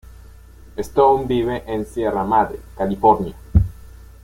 Stone vive en Sierra Madre, California.